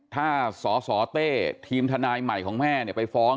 ถ้าสสเต้ทีมทนายใหม่ของแม่ไปฟ้อง